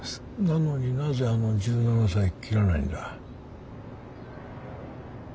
なのになぜあの１７才切らないんだ？